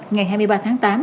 ngày hai mươi ba tháng tám